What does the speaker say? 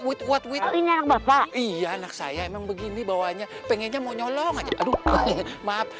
what what what what iya anak saya emang begini bawahnya pengennya mau nyolong aja aduh maaf